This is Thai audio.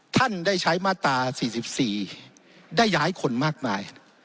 ท่านได้ใช้มาตรา๔๔ได้ย้ายคนมากมาย